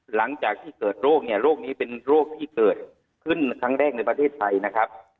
หลังจากที่เกิดโรคเนี่ยโรคนี้เป็นโรคที่เกิดขึ้นครั้งแรกในประเทศไทยนะครับ